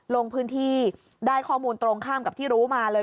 ลงพื้นที่ได้ข้อมูลตรงข้ามกับที่รู้มาเลย